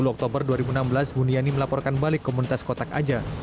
dua puluh oktober dua ribu enam belas buniani melaporkan balik komunitas kotak aja